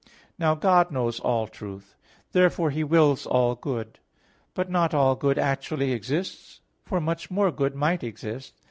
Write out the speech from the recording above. Now God knows all truth. Therefore He wills all good. But not all good actually exists; for much more good might exist.